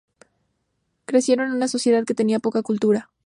Crecieron en una sociedad que tenía poca cultura.